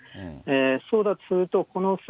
そうだとすると、この際、